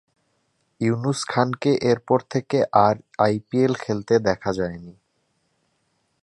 ইউনুস খানকে এরপর থেকে আর আইপিএল খেলতে দেখা যায়নি।